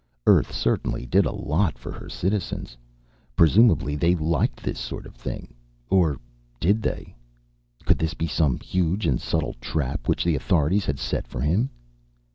Earth certainly did a lot for her citizens. Presumably they liked this sort of thing. Or did they? Could this be some huge and subtle trap which the authorities had set for him?